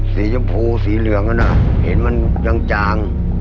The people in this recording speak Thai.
สีชมพูสีเหลืองนั้นเห็นมันจาง